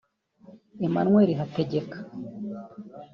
Emmanuel Hategeka